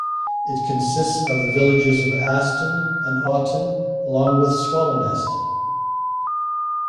It consists of the villages of Aston and Aughton, along with Swallownest.